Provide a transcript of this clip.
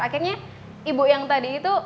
akhirnya ibu yang tadi itu mau gitu